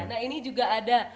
nah ini juga ada